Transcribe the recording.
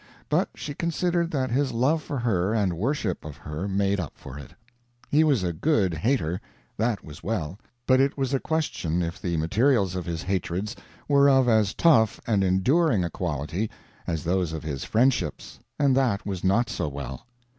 But she considered that his love for her and worship of her made up for it. He was a good hater that was well; but it was a question if the materials of his hatreds were of as tough and enduring a quality as those of his friendships and that was not so well.